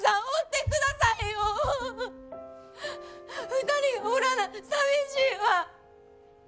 ２人がおらな寂しいわ！